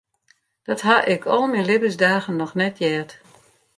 Dat ha ik al myn libbensdagen noch net heard.